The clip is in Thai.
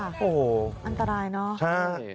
ค่ะโอ้โหมันตรายเนอะ